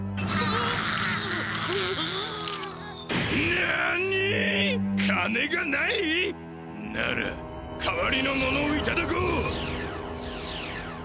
なに金がない？なら代わりの物をいただこう。